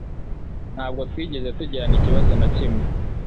Ntabwo twigeze tugirana ikibazo na kimwe.